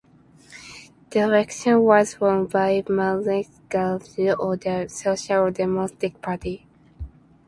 The election was won by Magaji Abdullahi of the Social Democratic Party.